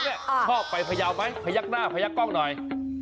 พระยาวชอบไปไหมพระยักษ์หน้ากล้องหน่อย